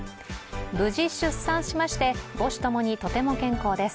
無事出産しまして、母子ともにとても健康です。